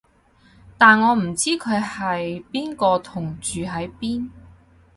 但我唔知佢係邊個同住喺邊